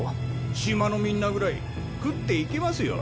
島のみんなぐらい食っていけますよ。